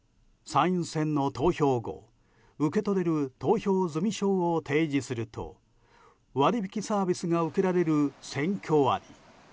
参院選の投票後受け取れる投票済証を提示すると割引サービスが受けられる選挙割。